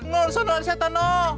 nggak bisa setan